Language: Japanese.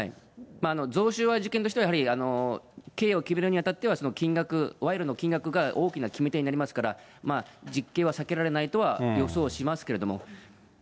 贈収賄事件としては、やはり刑を決めるにあたっては、金額、賄賂の金額が大きな決め手になりますから、実刑は避けられないとは予想しますけれども。